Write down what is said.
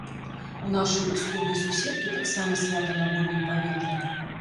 У нашай усходняй суседкі таксама свята на вольным паветры.